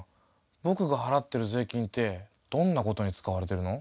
ぼくが払ってる税金ってどんなことに使われてるの？